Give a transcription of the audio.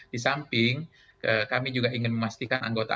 di samping kami juga ingin memastikan anggota